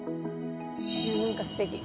何かすてき。